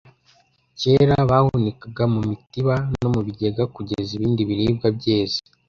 Kera bahunikaga mu mitiba no mu bigega kugeza ibindi biribwa byeze